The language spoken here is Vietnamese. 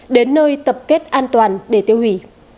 đến nơi tập kết an toàn để tiêu hủy